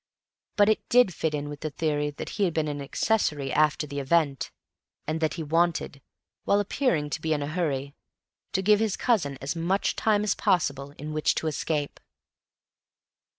But it did fit in with the theory that he had been an accessory after the event, and that he wanted (while appearing to be in a hurry) to give his cousin as much time as possible in which to escape.